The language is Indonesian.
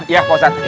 ya pak ustadz